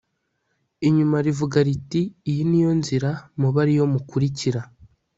inyuma rivuga riti iyi ni yo nzira mube ari yo mukurikira